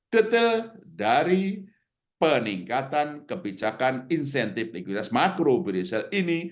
detail dari peningkatan kebijakan insentif likuiditas makro berisil ini